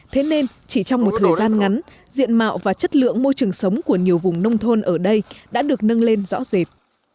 thế nên chỉ trong một thời gian ngắn diện mạo và chất lượng môi trường sống của nhiều vùng nông thôn ở đây đã được nâng lên rõ rệt